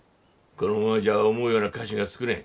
このままじゃ思うような菓子が作れん。